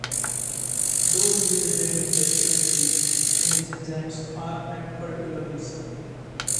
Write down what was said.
Those with a genetic deficiency in these enzymes are at particular risk.